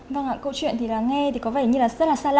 vâng ạ câu chuyện thì lắng nghe thì có vẻ như là rất là xa lạ